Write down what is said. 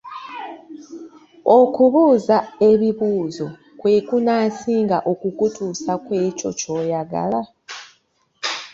Okubuuza ebibuuzo kwe kunaasinga okukutuusa ku ekyo ky’oyagala?